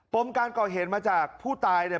มการก่อเหตุมาจากผู้ตายเนี่ย